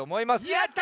やった！